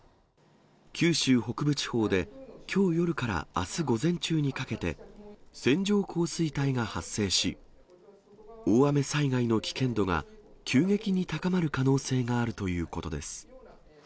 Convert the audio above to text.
九州北部地方で、きょう夜からあす午前中にかけて、線状降水帯が発生し、大雨災害の危険度が急激に高まる可能性があるということです。